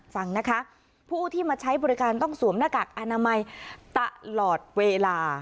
ฟังนะคะผู้ที่มาใช้บริการต้องสวมหน้ากากอนามัยตลอดเวลา